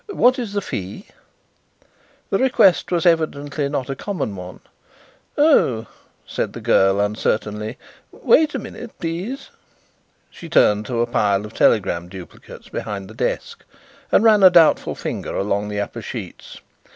"What is the fee?" The request was evidently not a common one. "Oh," said the girl uncertainly, "wait a minute, please." She turned to a pile of telegram duplicates behind the desk and ran a doubtful finger along the upper sheets.